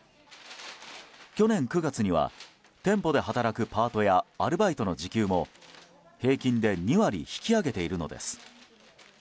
去年９月には店舗で働くパートやアルバイトの時給も平均で２割引き上げているのです。